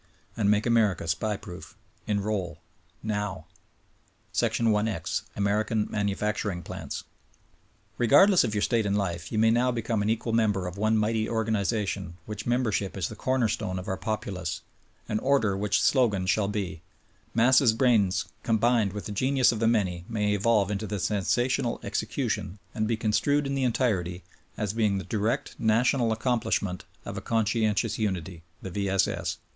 And make America SPY proof . Enroll ! Now ! IX. American — Manufacturing Plants. Regardless of your station in Hfe you may now become an equal member of one mighty organization which membership is the cornerstone of our popu lace ; an order w'hich slogan shall be: Masses' brains combined that the genius of the many may evolve into the sensational execution, and be construed in the SPY PROOF AMERICA 29 entirety, as being the direct national accomplishment of a conscientious unity— the V. S. S.